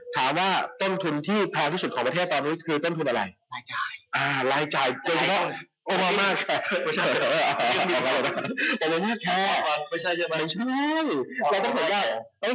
ถามว่าต้นทุนที่แพงที่สุดของประเทศตอนนี้คือต้นทุนอะไร